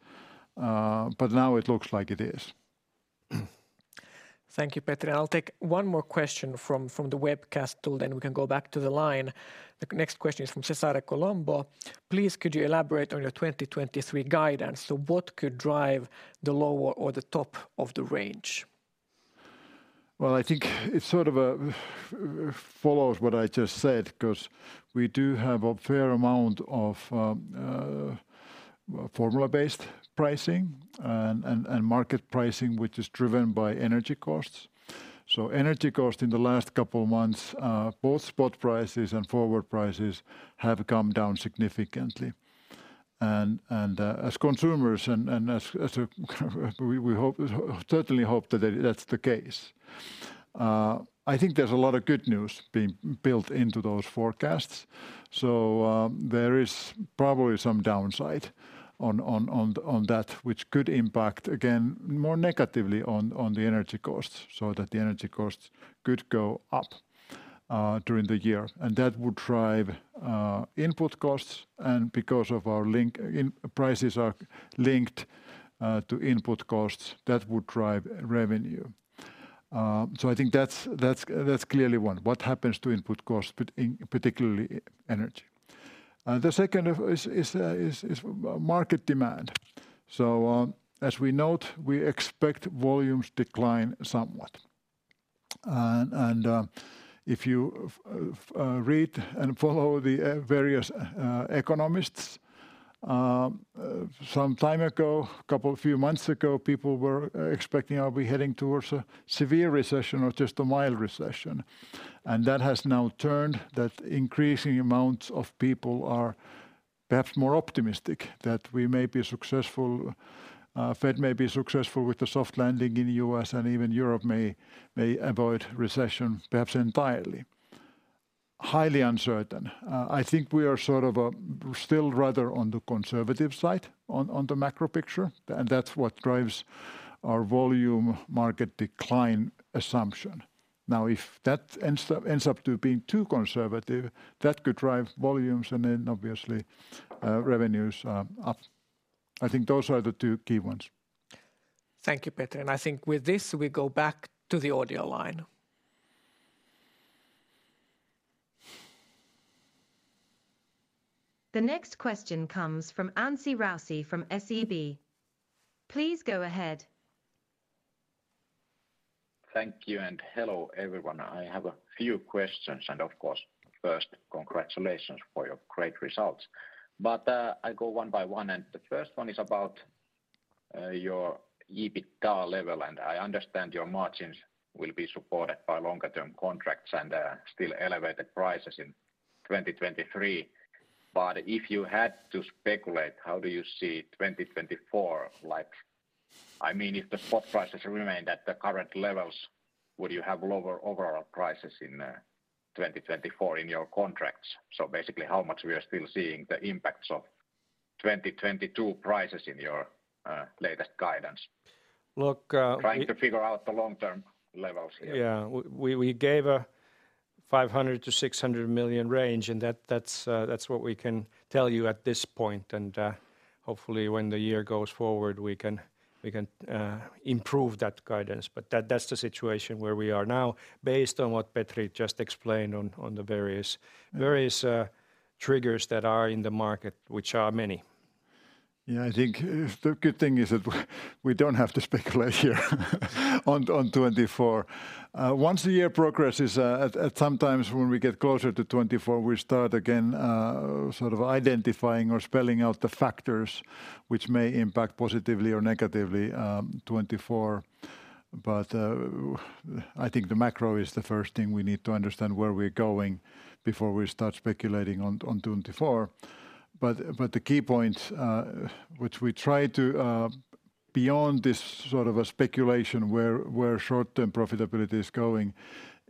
but now it looks like it is. Thank you, Petri. I'll take one more question from the webcast tool, then we can go back to the line. The next question is from Cesare Colombo: "Please could you elaborate on your 2023 guidance? What could drive the lower or the top of the range? Well, I think it sort of follows what I just said 'cause we do have a fair amount of formula-based pricing and market pricing, which is driven by energy costs. Energy cost in the last couple of months, both spot prices and forward prices have come down significantly. As consumers and as we certainly hope that that's the case. I think there's a lot of good news being built into those forecasts. There is probably some downside on that which could impact again more negatively on the energy costs so that the energy costs could go up during the year. That would drive input costs and because of our link prices are linked to input costs, that would drive revenue. I think that's clearly one, what happens to input costs, particularly energy. The second of is market demand. As we note, we expect volumes decline somewhat. If you read and follow the various economists, some time ago, couple few months ago, people were expecting are we heading towards a severe recession or just a mild recession? That has now turned that increasing amounts of people are perhaps more optimistic that Fed may be successful with the soft landing in the US and even Europe may avoid recession perhaps entirely. Highly uncertain. I think we are sort of still rather on the conservative side on the macro picture, that's what drives our volume market decline assumption. If that ends up to being too conservative, that could drive volumes and then obviously, revenues up. I think those are the two key ones. Thank you, Petri. I think with this we go back to the audio line. The next question comes from Anssi Raussi from SEB. Please go ahead. Thank you and hello everyone. I have a few questions and of course first congratulations for your great results. I go one by one, and the first one is about your EBITDA level. I understand your margins will be supported by longer term contracts and still elevated prices in 2023. If you had to speculate, how do you see 2024 like? I mean, if the spot prices remain at the current levels, would you have lower overall prices in 2024 in your contracts? Basically how much we are still seeing the impacts of 2022 prices in your latest guidance? Look. Trying to figure out the long-term levels here. Yeah. We gave a 500 million-600 million range, and that's what we can tell you at this point. Hopefully, when the year goes forward, we can improve that guidance. That's the situation where we are now based on what Petri just explained on the various triggers that are in the market, which are many. Yeah. I think the good thing is that we don't have to speculate here on 2024. Once the year progresses, at some times when we get closer to 2024, we start again sort of identifying or spelling out the factors which may impact positively or negatively, 2024. I think the macro is the first thing we need to understand where we're going before we start speculating on 2024. The key points which we try to beyond this sort of a speculation where short-term profitability is going,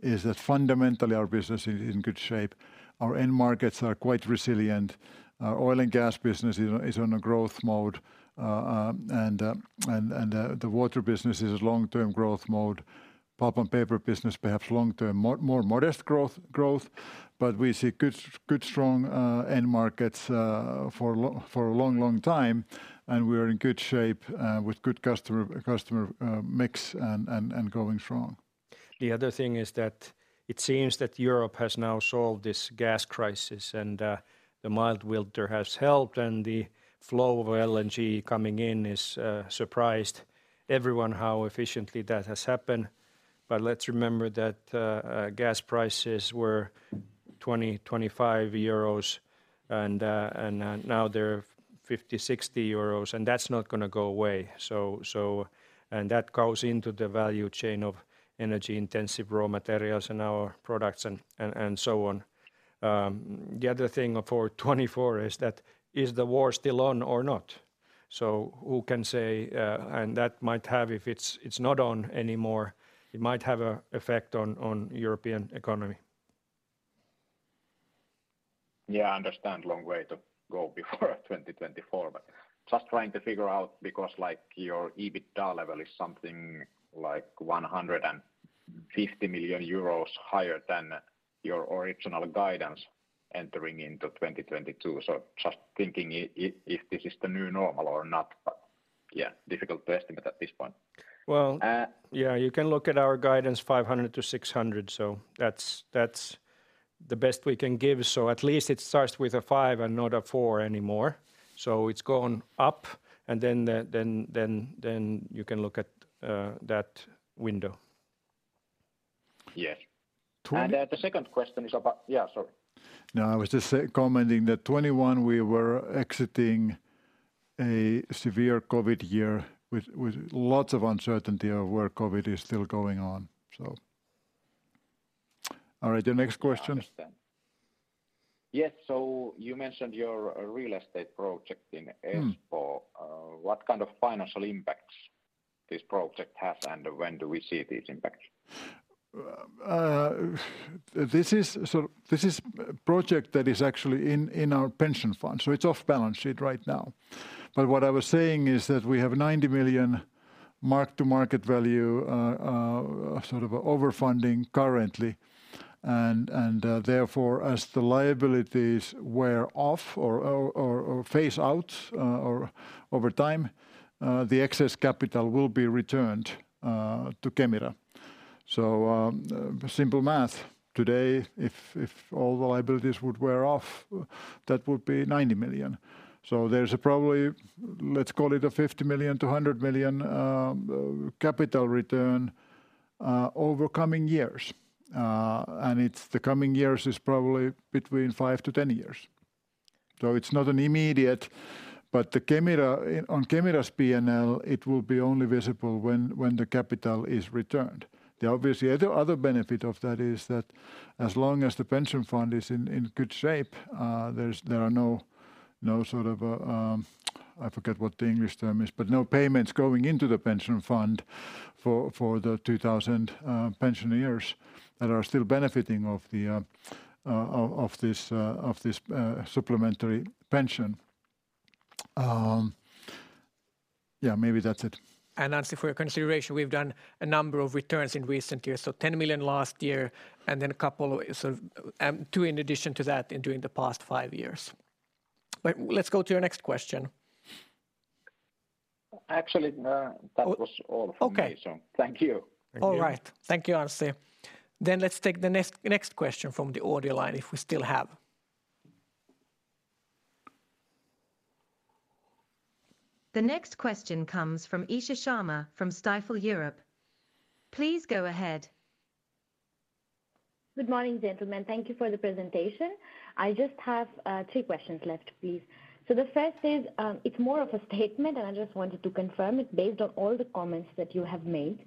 is that fundamentally our business is in good shape. Our end markets are quite resilient. Our oil and gas business is on a growth mode. And the water business is long-term growth mode. Pulp & Paper business perhaps long-term more modest growth. We see good strong end markets for a long time, and we're in good shape with good customer mix and going strong. The other thing is that it seems that Europe has now solved this gas crisis, and the mild winter has helped, and the flow of LNG coming in has surprised everyone how efficiently that has happened. Let's remember that gas prices were 20-25 euros and now they're 50-60 euros, and that's not gonna go away. And that goes into the value chain of energy-intensive raw materials in our products and so on. The other thing for 2024 is the war still on or not? Who can say, and that might have if it's not on anymore, it might have a effect on European economy. Yeah, I understand long way to go before 2024, just trying to figure out because like your EBITDA level is something like 150 million euros higher than your original guidance entering into 2022. Just thinking if this is the new normal or not. Yeah, difficult to estimate at this point. Well- Uh- Yeah, you can look at our guidance 500 million-600 million. That's the best we can give. At least it starts with a 5 and not a 4 anymore. It's gone up, then you can look at that window. Yes. Twent- The second question is about-- Yeah, sorry. No, I was just commenting that 2021 we were exiting a severe COVID year with lots of uncertainty of where COVID is still going on, so. All right, the next question. Yeah, I understand. Yes, you mentioned your real estate project in Espoo. Mm. What kind of financial impacts this project has, and when do we see these impacts? This is project that is actually in our pension fund, so it's off balance sheet right now. What I was saying is that we have 90 million mark-to-market value, sort of over-funding currently. Therefore, as the liabilities wear off or phase out or over time, the excess capital will be returned to Kemira. Simple math. Today, if all the liabilities would wear off, that would be 90 million. So there's probably, let's call it a 50 million-100 million capital return over coming years. It's the coming years is probably between five to 10 years. So it's not an immediate. The Kemira, on Kemira's P&L, it will be only visible when the capital is returned. The obviously other benefit of that is that as long as the pension fund is in good shape, there are no sort of, I forget what the English term is, but no payments going into the pension fund for the 2,000 pensioners that are still benefiting of this supplementary pension. Yeah, maybe that's it. Anssi, for your consideration, we've done a number of returns in recent years. 10 million last year, and then a couple of sort of, two in addition to that during the past five years. Let's go to your next question. Actually, that was all from me. Okay. Thank you. Thank you. All right. Thank you, Anssi. Let's take the next question from the audio line, if we still have. The next question comes from Isha Sharma from Stifel Europe. Please go ahead. Good morning, gentlemen. Thank you for the presentation. I just have three questions left, please. The first is, it's more of a statement, and I just wanted to confirm it based on all the comments that you have made.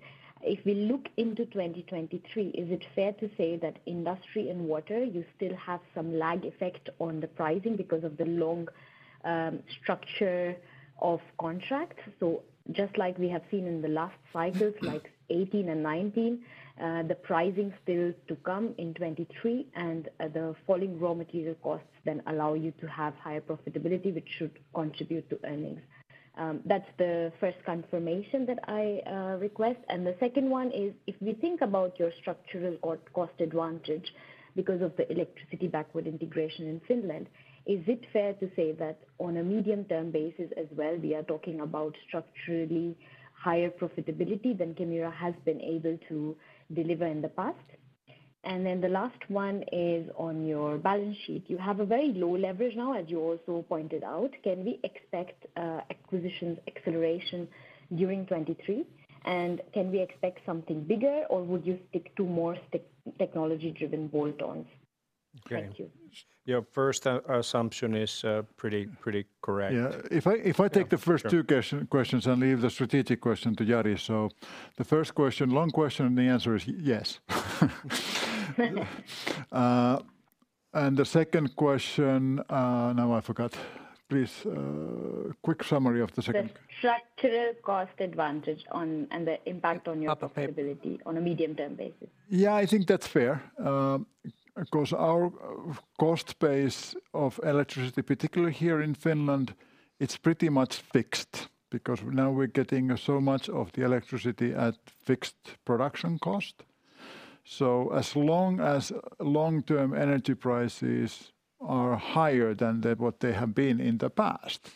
If we look into 2023, is it fair to say that industry and water, you still have some lag effect on the pricing because of the long structure of contracts? Just like we have seen in the last cycles. Mm-hmm. like 2018 and 2019, the pricing still to come in 2023 and the falling raw material costs then allow you to have higher profitability, which should contribute to earnings. That's the first confirmation that I request. The second one is, if we think about your structural or cost advantage because of the electricity backward integration in Finland, is it fair to say that on a medium-term basis as well, we are talking about structurally higher profitability than Kemira has been able to deliver in the past? The last one is on your balance sheet. You have a very low leverage now, as you also pointed out. Can we expect acquisitions acceleration during 2023? Can we expect something bigger, or would you stick to more technology-driven bolt-ons? Okay. Thank you. Your first as-assumption is, pretty correct. Yeah. If I take the first two questions and leave the strategic question to Jari. The first question, long question, the answer is yes. The second question, now I forgot. Please, quick summary of the second. The structural cost advantage on and the impact on your profitability. Paper... on a medium-term basis. Yeah, I think that's fair. Because our cost base of electricity, particularly here in Finland, it's pretty much fixed because now we're getting so much of the electricity at fixed production cost. As long as long-term energy prices are higher than the, what they have been in the past,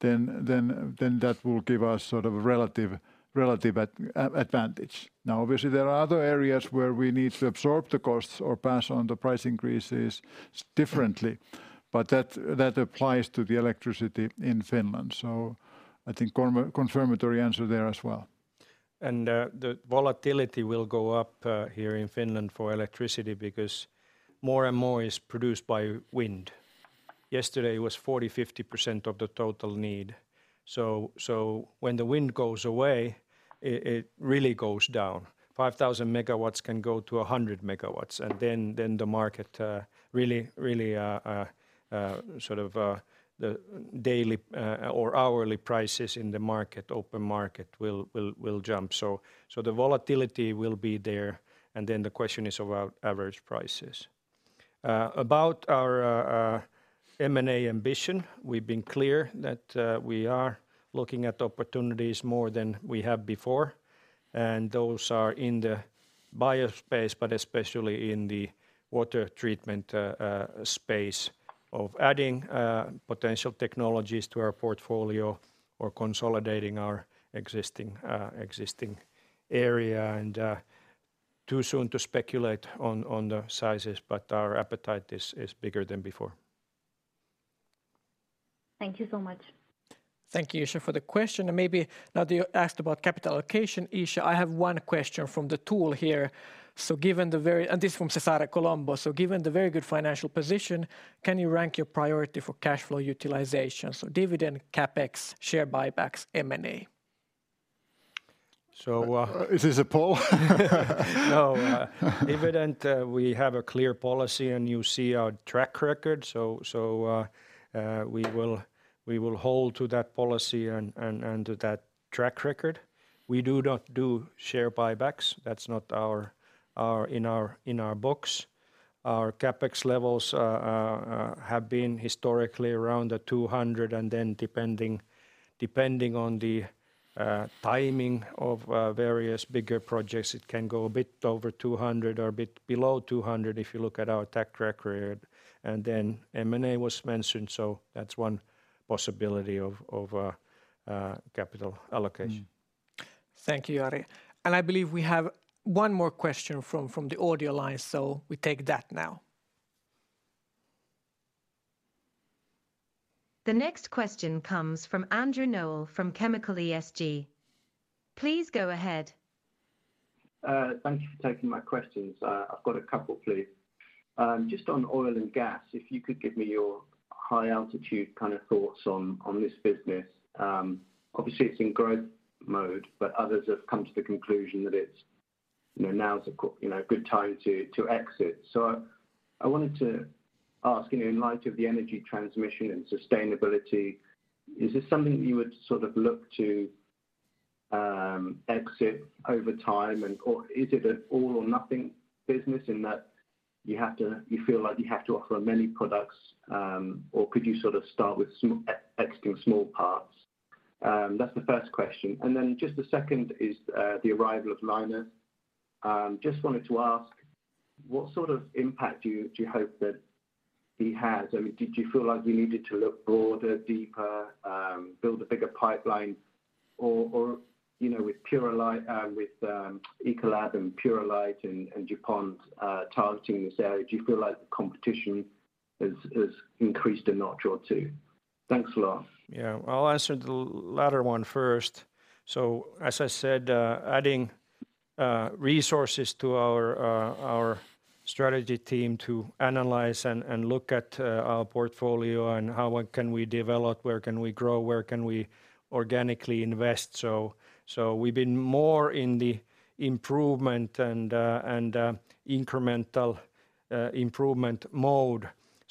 then that will give us sort of relative advantage. Obviously, there are other areas where we need to absorb the costs or pass on the price increases differently, but that applies to the electricity in Finland. I think confirmatory answer there as well. The volatility will go up here in Finland for electricity because more and more is produced by wind. Yesterday was 40%, 50% of the total need. When the wind goes away, it really goes down. 5,000 MW can go to 100 MW, then the market really sort of the daily or hourly prices in the market, open market will jump. The volatility will be there, the question is about average prices. About our M&A ambition, we've been clear that we are looking at opportunities more than we have before, those are in the bios space, but especially in the water treatment space of adding potential technologies to our portfolio or consolidating our existing existing area. Too soon to speculate on the sizes, but our appetite is bigger than before. Thank you so much. Thank you, Esha, for the question. Maybe now that you asked about capital allocation, Esha, I have one question from the tool here. Given the very... This is from Cesare Colombo. "Given the very good financial position, can you rank your priority for cash flow utilization? Dividend, CapEx, share buybacks, M&A. Is this a poll? No, dividend, we have a clear policy, and you see our track record. We will hold to that policy and to that track record. We do not do share buybacks. That's not our in our books. Our CapEx levels have been historically around 200, and then depending on the timing of various bigger projects, it can go a bit over 200 or a bit below 200 if you look at our track record. M&A was mentioned, so that's one possibility of capital allocation. Thank you, Jari. I believe we have one more question from the audio line, so we take that now. The next question comes from Andrew Noël from chemicalESG. Please go ahead. Thank you for taking my questions. I've got a couple, please. Just on oil and gas, if you could give me your high altitude kind of thoughts on this business. Obviously it's in growth mode, but others have come to the conclusion that it's, you know, now is a good time to exit. I wanted to ask, you know, in light of the energy transmission and sustainability, is this something you would sort of look to exit over time and... or is it an all or nothing business in that you feel like you have to offer many products, or could you sort of start with exiting small parts? That's the first question. Just the second is the arrival of Linus. Just wanted to ask, what sort of impact do you hope that he has? I mean, did you feel like you needed to look broader, deeper, build a bigger pipeline? Or, you know, with Purolite, with Ecolab and Purolite in Japan, targeting this area, do you feel like the competition has increased a notch or two? Thanks a lot. Yeah. I'll answer the latter one first. As I said, adding resources to our strategy team to analyze and look at our portfolio and how well can we develop, where can we grow, where can we organically invest, we've been more in the improvement and incremental improvement mode.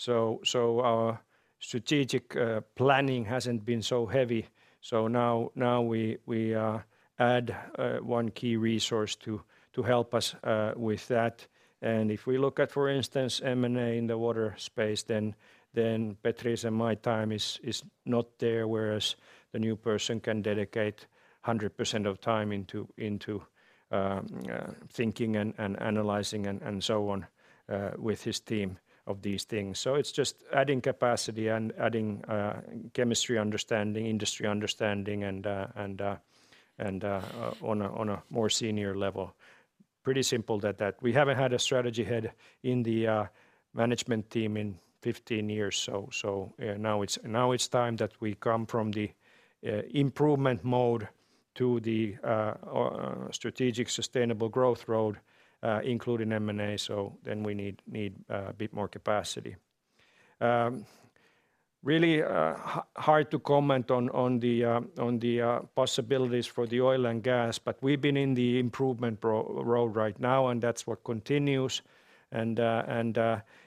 Our strategic planning hasn't been so heavy. Now we add one key resource to help us with that. If we look at, for instance, M&A in the water space, then Petri's and my time is not there, whereas the new person can dedicate 100% of time thinking and analyzing and so on with his team of these things. It's just adding capacity and adding chemistry understanding, industry understanding, and on a more senior level. Pretty simple that we haven't had a strategy head in the management team in 15 years. Now it's time that we come from the improvement mode to the strategic sustainable growth road, including M&A. Then we need a bit more capacity. Really hard to comment on the possibilities for the oil and gas, but we've been in the improvement road right now, and that's what continues.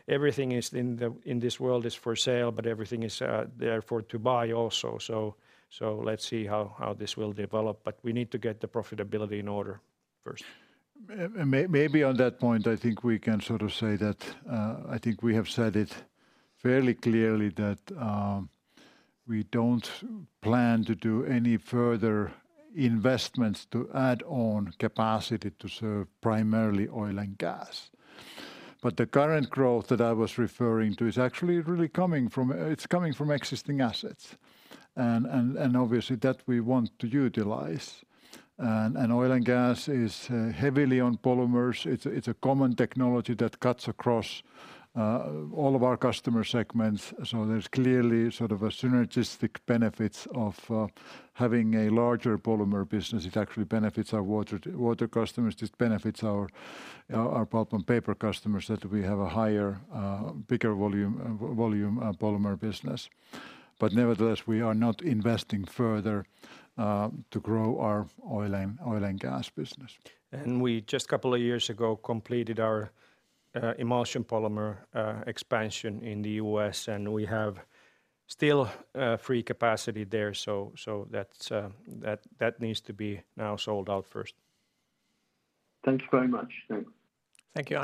Everything is in this world is for sale, but everything is there for to buy also. Let's see how this will develop, but we need to get the profitability in order first. Maybe on that point, I think we can sort of say that, I think we have said it fairly clearly that we don't plan to do any further investments to add on capacity to serve primarily oil and gas. The current growth that I was referring to is actually really coming from existing assets and obviously that we want to utilize. Oil and gas is heavily on polymers. It's a common technology that cuts across all of our customer segments. There's clearly sort of a synergistic benefits of having a larger polymer business. It actually benefits our water customers. This benefits our Pulp & Paper customers, that we have a higher, bigger volume polymer business. Nevertheless, we are not investing further, to grow our oil and gas business. We just couple of years ago completed our emulsion polymer expansion in the U.S., and we have still free capacity there. That's that needs to be now sold out first. Thank you very much. Thanks. Thank you,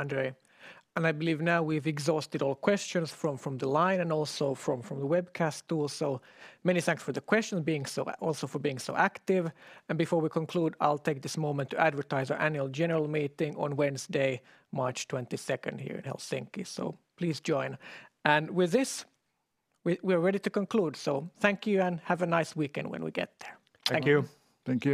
Andrew. I believe now we've exhausted all questions from the line and also from the webcast tool. Many thanks for the question, also for being so active. Before we conclude, I'll take this moment to advertise our annual general meeting on Wednesday, March 22nd here in Helsinki. Please join. With this, we're ready to conclude. Thank you and have a nice weekend when we get there. Thank you. Thank you.